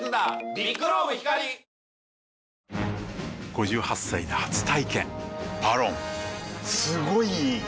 ５８歳で初体験「ＶＡＲＯＮ」すごい良い！